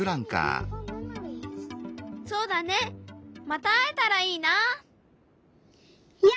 そうだねまた会えたらいいな。